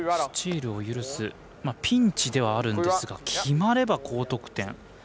スチールを許すピンチではあるんですが決まれば高得点。